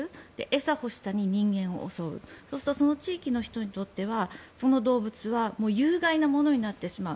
餌欲しさに人間を襲うその地域の人にとってはその動物は有害になってしまう。